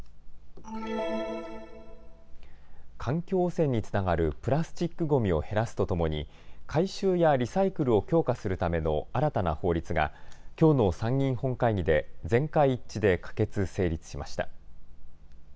環境汚染につながるプラスチックごみを減らすとともに回収やリサイクルを強化するための新たな法律がきょうの参議院本会議で全会一致で可決・成立しました。